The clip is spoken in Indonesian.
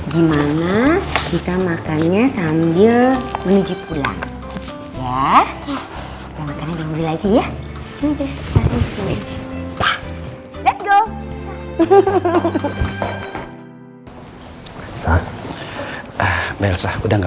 gimana kita makannya sambil menuju pulang